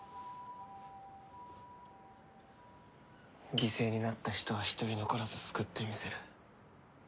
犠牲になった人は一人残らず救ってみせる。